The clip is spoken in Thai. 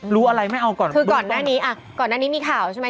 รู้อะไรไม่เอาก่อนคือก่อนหน้านี้อ่ะก่อนหน้านี้มีข่าวใช่ไหม